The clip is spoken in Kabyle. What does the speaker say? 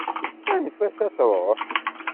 Anef-as ad truḥ!